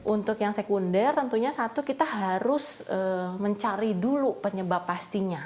untuk yang sekunder tentunya satu kita harus mencari dulu penyebab pastinya